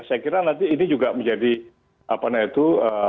saya kira nanti ini juga menjadi apa namanya itu